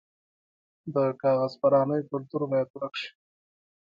د کاغذ پرانۍ کلتور باید ورک شي.